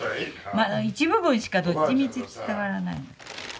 一部分しかどっちみち伝わらない。